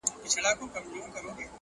زه به د خال او خط خبري كوم!!